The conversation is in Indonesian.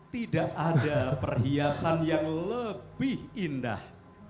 tidak ada perhiasan yang lebih indah